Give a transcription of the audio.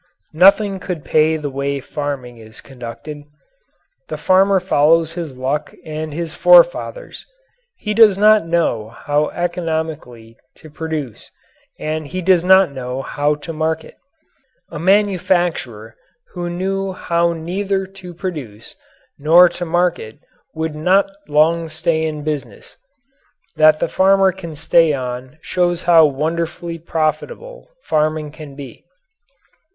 Nothing could pay the way farming is conducted. The farmer follows luck and his forefathers. He does not know how economically to produce, and he does not know how to market. A manufacturer who knew how neither to produce nor to market would not long stay in business. That the farmer can stay on shows how wonderfully profitable farming can be.